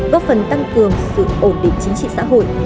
góp phần tăng cường sự ổn định chính trị xã hội